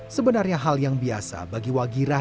sebenarnya hal yang biasa bagi wagirah